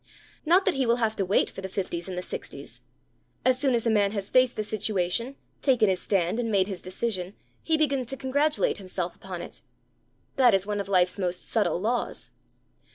Not that he will have to wait for the fifties and the sixties. As soon as a man has faced the situation, taken his stand, and made his decision, he begins to congratulate himself upon it. That is one of life's most subtle laws.